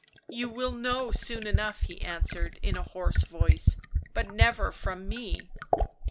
"You will know soon enough," he answered in a hoarse voice. " But never from me."